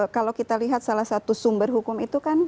kalau kita lihat salah satu sumber hukum itu kan